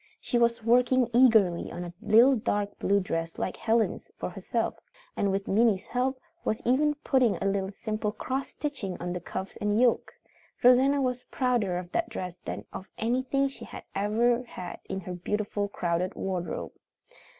She was working eagerly on a little dark blue dress like Helen's for herself, and with Minnie's help was even putting a little simple cross stitching on the cuffs and yoke. Rosanna was prouder of that dress than of anything she had ever had in her beautiful, crowded wardrobe.